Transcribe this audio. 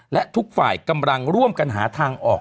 และทุกฝ่ายกำลังร่วมกันหาทางออก